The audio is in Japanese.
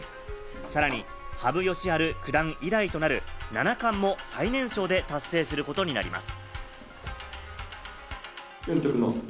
さらに羽生善治九段以来となる七冠を最年少で達成することになります。